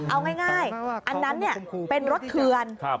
เอาง่ายอันนั้นเป็นรถเถือน